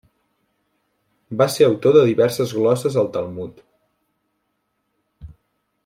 Va ser autor de diverses glosses al Talmud.